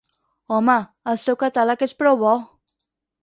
Home, el seu catàleg és prou bo!